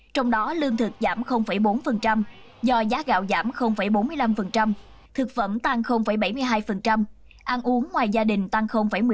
trong đó lương thực giảm bốn do giá gạo giảm bốn mươi năm thực phẩm tăng bảy mươi hai ăn uống ngoài gia đình tăng một mươi năm